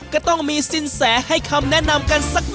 ก็ต้องมีสินแสให้คำแนะนำกันสักหน่อย